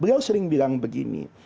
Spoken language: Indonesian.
beliau sering bilang begini